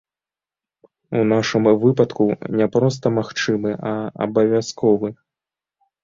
У нашым выпадку не проста магчымы, а абавязковы.